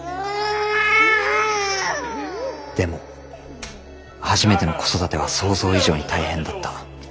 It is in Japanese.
でも初めての子育ては想像以上に大変だった。